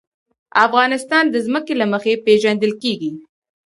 افغانستان د ځمکه له مخې پېژندل کېږي.